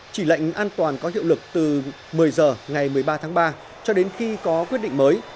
chỉ lệnh an toàn có hiệu lực từ một mươi h ngày một mươi ba tháng ba cho đến khi có quyết định mới